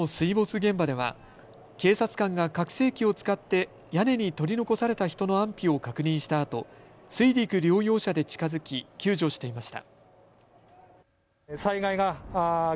現場では警察官が拡声機を使って屋根に取り残された人の安否を確認したあと、水陸両用車で近づき救助していました。